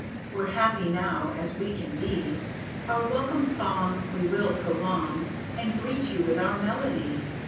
We're happy now as we can be, Our welcome song we will prolong, And greet you with our melody.